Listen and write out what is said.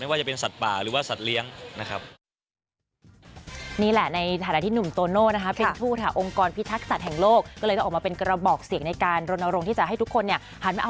ว่าจะเป็นสัตว์ป่าหรือว่าสัตว์เลี้ยงนะครับ